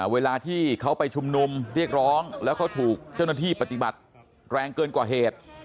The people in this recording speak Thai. เวลาที่เขาไปชุมนุมเรียกร้องแล้วเขาถูกเจ้าหน้าที่ปฏิบัติแรงเกินกว่าเหตุ